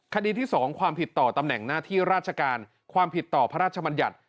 คดีที่๒ความผิดต่อตำแหน่งหน้าที่ราชการความผิดต่อพระราชบัญญัติ